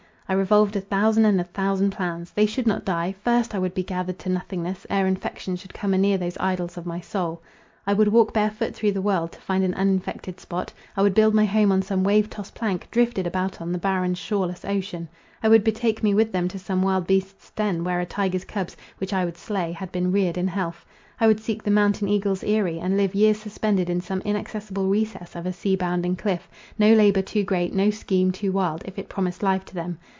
I revolved a thousand and a thousand plans. They should not die—first I would be gathered to nothingness, ere infection should come anear these idols of my soul. I would walk barefoot through the world, to find an uninfected spot; I would build my home on some wave tossed plank, drifted about on the barren, shoreless ocean. I would betake me with them to some wild beast's den, where a tyger's cubs, which I would slay, had been reared in health. I would seek the mountain eagle's eirie, and live years suspended in some inaccessible recess of a sea bounding cliff—no labour too great, no scheme too wild, if it promised life to them.